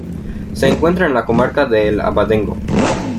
Se encuentra en la comarca de El Abadengo.